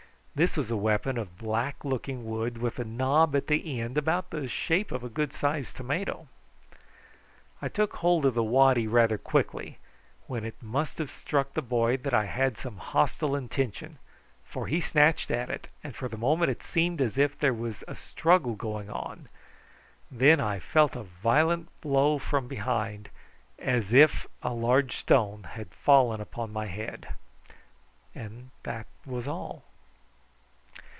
This was a weapon of black looking wood, with a knob at the end about the shape of a good sized tomato. I took hold of the waddy rather quickly, when it must have struck the boy that I had some hostile intention, for he snatched at it, and for the moment it seemed as if there was a struggle going on; then I felt a violent blow from behind, as if a large stone had fallen upon my head, and that was all.